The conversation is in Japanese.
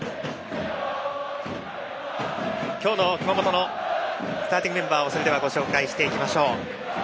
今日の熊本のスターティングメンバーをご紹介していきましょう。